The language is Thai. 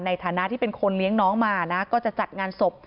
ในฐานะที่เป็นคนเลี้ยงน้องมานะก็จะจัดงานศพ